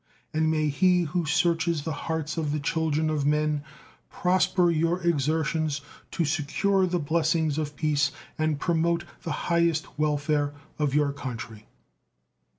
And may He who searches the hearts of the children of men prosper your exertions to secure the blessings of peace and promote the highest welfare of your country.